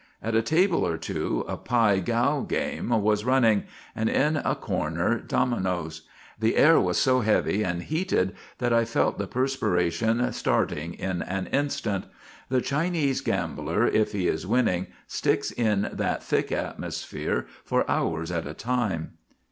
At a table or two a pie gow game was running, and in a corner dominoes. The air was so heavy and heated that I felt the perspiration starting in an instant. The Chinese gambler, if he is winning, sticks in that thick atmosphere for hours at a time.